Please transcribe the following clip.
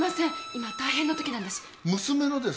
今大変な時なんだし。娘のです。